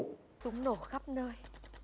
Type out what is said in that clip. túng nổ khắp nơi